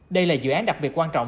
đây là dự án đặc biệt quan trọng